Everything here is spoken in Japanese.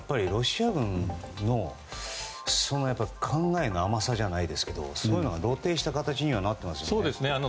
ロシア軍の考えの甘さじゃないですけどそういうのが露呈した形になっていますね。